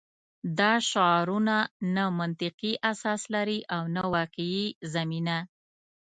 دا شعارونه نه منطقي اساس لري او نه واقعي زمینه